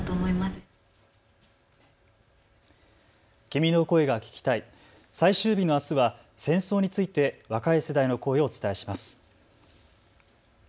君の声が聴きたい、最終日のあすは戦争について若い世代の声をお伝えします。